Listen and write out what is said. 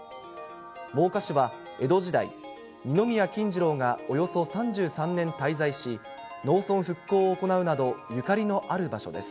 真岡市は江戸時代、二宮金次郎がおよそ３３年滞在し、農村復興を行うなどゆかりのある場所です。